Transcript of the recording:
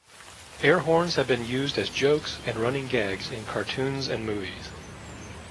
Air horns have been used as jokes, and running gags in cartoons and movies.